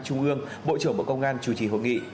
trung ương bộ trưởng bộ công an chủ trì hội nghị